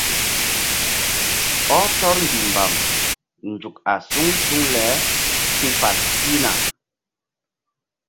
Ɔh tɔr mbihmbam nzuk a suŋ suŋ le ki̧fal pihna.